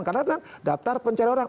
karena itu kan daftar pencari orang